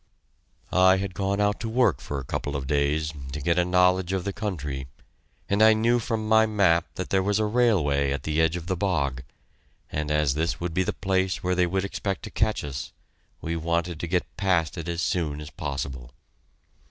I had gone out to work for a couple of days, to get a knowledge of the country, and I knew from my map that there was a railway at the edge of the bog, and as this would be the place where they would expect to catch us, we wanted to get past it as soon as possible.